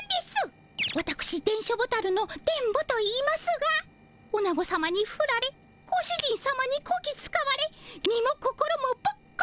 わたくし電書ボタルの電ボといいますがオナゴさまにフラれご主人さまにこき使われ身も心もボッコボコ。